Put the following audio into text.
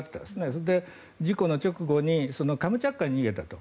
それで、事故の直後にカムチャツカに逃げたと。